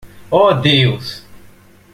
Oh Deus!